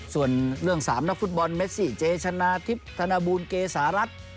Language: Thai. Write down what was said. ส่วนเรื่อง๓นักฟุตบอลเมซี่เจชนะทิพย์ธนบูลเกษารัฐ